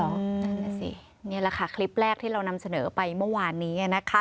นั่นแหละสินี่แหละค่ะคลิปแรกที่เรานำเสนอไปเมื่อวานนี้นะคะ